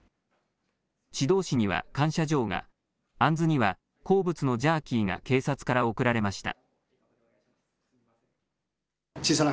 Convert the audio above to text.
指導士には感謝状が、アンズには好物のジャーキーが警察から贈られました。